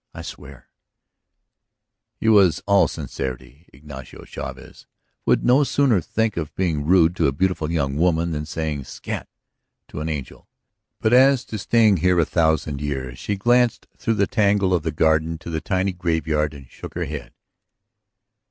I swear it." He was all sincerity; Ignacio Chavez would no sooner think of being rude to a beautiful young woman than of crying "Scat!" to an angel. But as to staying here a thousand years ... she glanced through the tangle of the garden to the tiny graveyard and shook her head.